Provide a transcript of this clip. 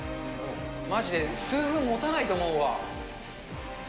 まじで数分持たないと思うわ。